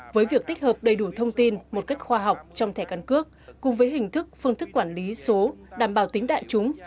với việc tích hợp đầy đủ thông tin một cách khoa học trong thẻ căn cước cùng với hình thức phương thức quản lý số đảm bảo tính đại chúng